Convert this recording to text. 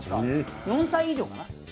４歳以上かな？